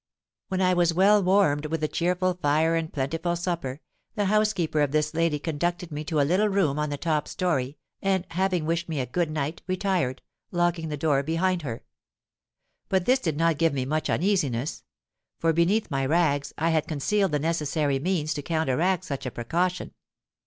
"When I was well warmed with the cheerful fire and plentiful supper, the housekeeper of this lady conducted me to a little room on the top storey, and having wished me a 'good night,' retired, locking the door behind her. But this did not give me much uneasiness; for beneath my rags I had concealed the necessary means to counteract such a precaution.